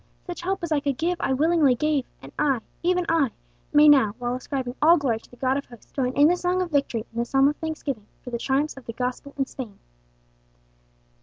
Such help as I could give I willingly gave, and I even I may now, while ascribing all glory to the God of hosts, join in the song of victory and the psalm of thanksgiving for the triumphs of the Gospel in Spain!"